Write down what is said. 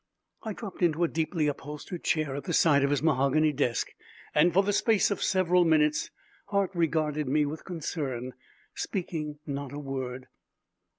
I dropped into a deeply upholstered chair at the side of his mahogany desk, and, for the space of several minutes, Hart regarded me with concern, speaking not a word.